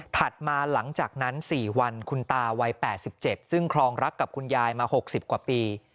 มาหลังจากนั้น๔วันคุณตาวัย๘๗ซึ่งครองรักกับคุณยายมา๖๐กว่าปี